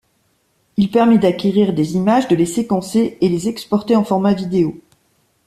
Il permet d'acquérir des images, de les séquencer et les exporter en format vidéo.